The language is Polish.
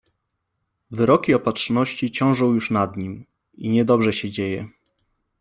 Wyroki Opatrzności ciążą już nad nim… i niedobrze się dzieje.